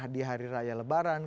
di hari raya lebaran